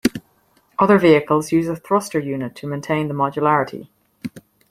Other vehicles use a thruster unit to maintain the modularity.